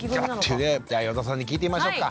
じゃ余座さんに聞いてみましょっか。